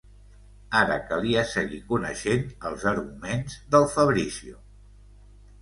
Ara calia seguir coneixent els arguments del Fabrizio.